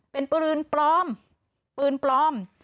เป็นปืนปลอมปืนปลอม